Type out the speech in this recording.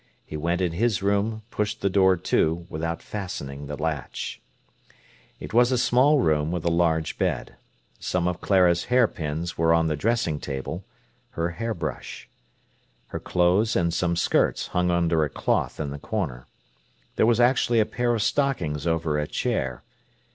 He went in his room, pushed the door to, without fastening the latch. It was a small room with a large bed. Some of Clara's hair pins were on the dressing table—her hair brush. Her clothes and some skirts hung under a cloth in a corner. There was actually a pair of stockings over a chair.